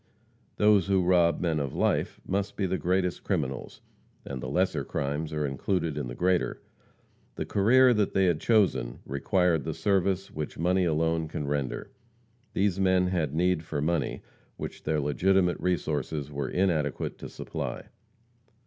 Those who rob men of life must be the greatest criminals, and the lesser crimes are included in the greater. The career they had chosen required the service which money alone can render. These men had need for money which their legitimate resources were inadequate to supply.